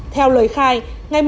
theo lời khai